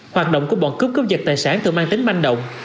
hoạt động của bọn cướp cướp giật tài sản thường mang tính manh động